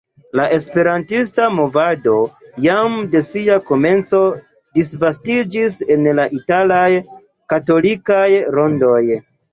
La Esperantista movado jam de sia komenco disvastiĝis en la italaj katolikaj rondoj.